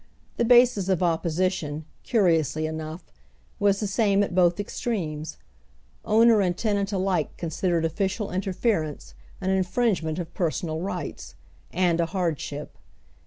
The basis of opposition, curiously enough, was the same at both extremes ; owner and tenant alike con sidered official interference an infringement of personal rights, and a hardship.